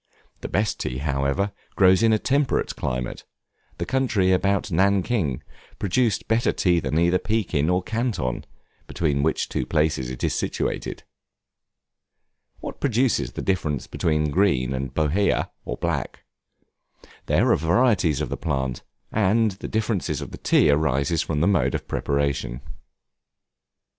The best tea, however, grows in a temperate climate, the country about Nankin producing better tea than either Pekin or Canton, between which two places it is situated. What produces the difference between Green and Bohea, or Black? There are varieties of the plant, and the difference of the tea arises from the mode of preparation.